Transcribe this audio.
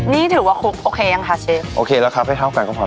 นี่ถือว่าคลุกโอเคยังคะเชฟโอเคแล้วครับไม่เท่ากันก็พอ